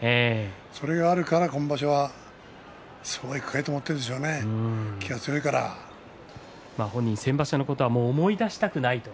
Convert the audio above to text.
それがあるから今場所はそうはいくかいと思っているで本人は先場所のことは思い出したくないと。